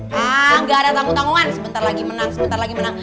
hah nggak ada tanggung tanggungan sebentar lagi menang sebentar lagi menang